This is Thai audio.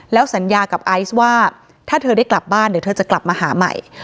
แล้วสัญญากับไอซ์ว่าถ้าเธอได้กลับบ้านเดี๋ยวเธอจะกลับมาหาใหม่